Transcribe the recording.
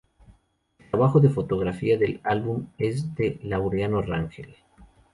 El trabajo de fotografía del álbum es de Laureano Rangel.